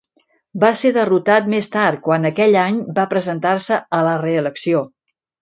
Va ser derrotat més tard quan aquell any va presentar-se a la reelecció.